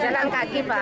jalan kaki pak